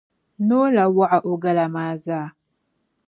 Noo la waɣi o gala maa zaa.